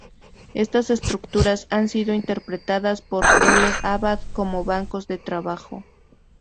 Estas estructuras han sido interpretadas por L Abad como bancos de trabajo.